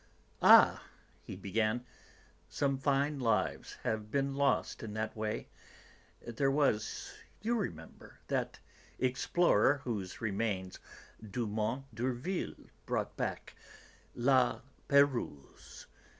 "Ah!" he began, "some fine lives have been lost in that way... There was, you remember, that explorer whose remains Dumont d'Urville brought back, La Pérouse..."